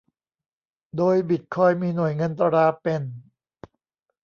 โดยบิตคอยน์มีหน่วยเงินตราเป็น